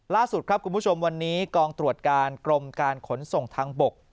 ล่าสุดครับคุณผู้ชมวันนี้กองตรวจการกรมการขนส่งทางบก